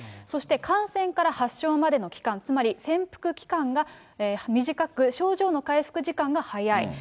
そして感染から発症までの期間、つまり潜伏期間が短く、症状の回復時間が早い。